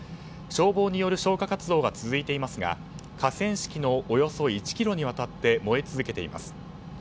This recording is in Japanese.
消防による消火活動は続いていますが河川敷のおよそ１ｋｍにわたって燃え続けています。